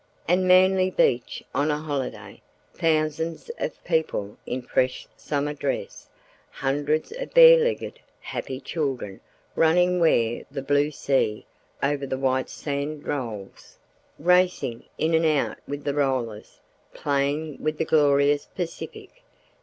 And Manly Beach on a holiday! Thousands of people in fresh summer dress, hundreds of bare legged, happy children running where the "blue sea over the white sand rolls," racing in and out with the rollers, playing with the glorious Pacific.